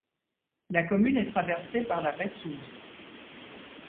La commune est traversée par la Reyssouze.